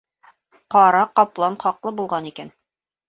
— Ҡара ҡаплан хаҡлы булған икән...